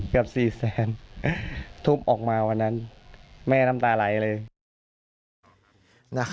เกือบ๔แสนทุบออกมาวันนั้นแม่น้ำตาไหลเลย